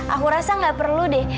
aku rasa gak perlu deh